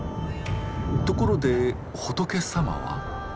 ところで仏様は？